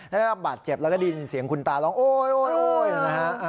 ได้รับบาดเจ็บแล้วก็ได้ยินเสียงคุณตาร้องโอ๊ยนะฮะ